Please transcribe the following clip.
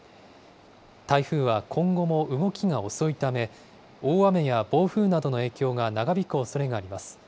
台風は今後も動きが遅いため、大雨や暴風などの影響が長引くおそれがあります。